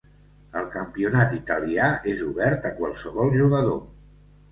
El campionat italià és obert a qualsevol jugador.